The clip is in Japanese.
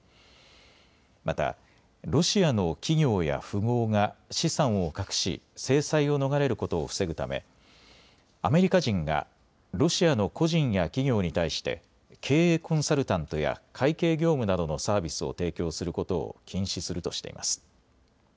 またロシアの企業や富豪が資産を隠し制裁を逃れることを防ぐためアメリカ人がロシアの個人や企業に対して経営コンサルタントや会計業務などのサービスを提供することを禁止するとしています。